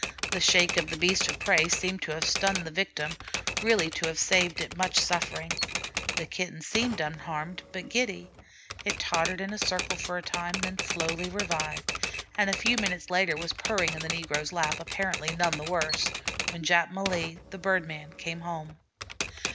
The shake of the beast of prey seemed to have stunned the victim, really to have saved it much suffering. The Kitten seemed unharmed, but giddy. It tottered in a circle for a time, then slowly revived, and a few minutes later was purring in the negro's lap, apparently none the worse, when Jap Malee, the bird man, came home.